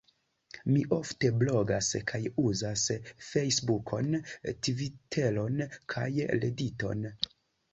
Mi ofte blogas kaj uzas Fejsbukon, Tviteron kaj Rediton.